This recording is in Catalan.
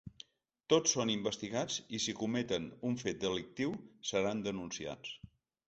Tots són investigats i si cometen un fet delictiu seran denunciats.